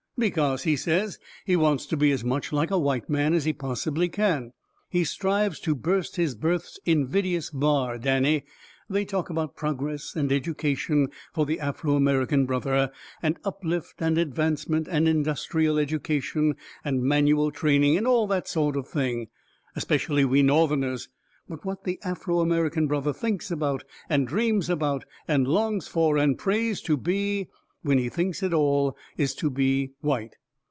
"Because," he says, "he wants to be as much like a white man as he possibly can. He strives to burst his birth's invidious bar, Danny. They talk about progress and education for the Afro American brother, and uplift and advancement and industrial education and manual training and all that sort of thing. Especially we Northerners. But what the Afro American brother thinks about and dreams about and longs for and prays to be when he thinks at all is to be white.